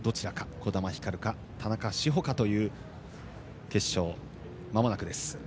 児玉ひかるか田中志歩かという決勝はまもなくです。